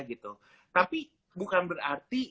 gitu tapi bukan berarti